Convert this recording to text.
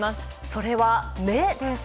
それは目です。